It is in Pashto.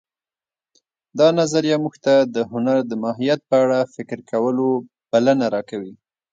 دا نظریه موږ ته د هنر د ماهیت په اړه فکر کولو بلنه راکوي